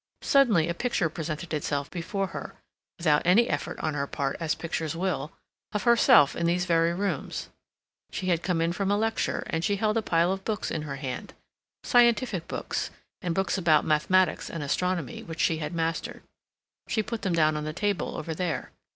Suddenly a picture presented itself before her, without any effort on her part as pictures will, of herself in these very rooms; she had come in from a lecture, and she held a pile of books in her hand, scientific books, and books about mathematics and astronomy which she had mastered. She put them down on the table over there.